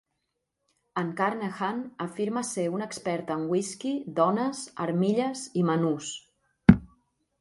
En Carnehan afirma ser un expert en whisky, dones, armilles i menús.